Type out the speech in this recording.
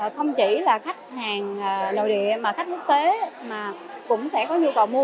không chỉ là khách hàng nội địa mà khách quốc tế mà cũng sẽ có nhu cầu mua